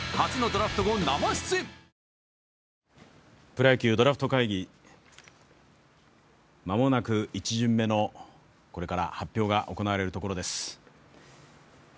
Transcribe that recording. プロ野球ドラフト会議、間もなく１巡目のこれから発表が行われるところです。